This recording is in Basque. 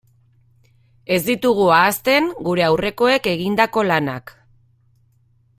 Ez ditugu ahazten gure aurrekoek egindako lanak.